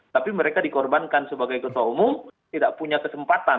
tapi mereka dikorbankan sebagai ketua umum tidak punya kesempatan